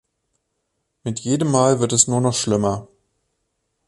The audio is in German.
Mit jedem Mal wird es nur noch schlimmer.